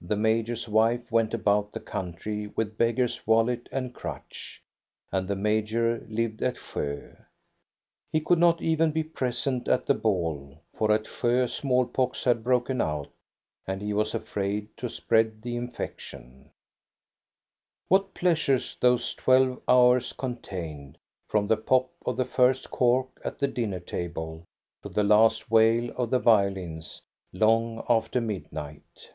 The major's wife went about the country with beggar's wallet and crutch, and the major lived at Sjo. He could not even be present at the ball, for at Sjo small pox had broken out, and he was afraid to spread the infection. THE BALL AT EKEBY 85 What pleasures those twelve hours contained, from the pop of the first cork at the dinner table to the last wail of the violins, long after midnight.